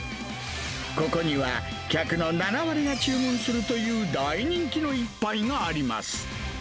ここには、客の７割が注文するという大人気の一杯があります。